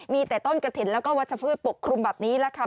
มีแต่ต้นกระถิ่นแล้วก็วัชพืชปกคลุมแบบนี้แหละค่ะ